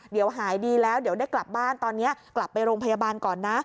เดี๋ยวหายดีแล้วเดี๋ยวได้กลับบ้านตอนนี้กลับไปโรงพยาบาลก่อนนะ